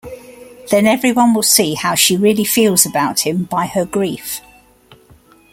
Then everyone will see how she really feels about him by her grief.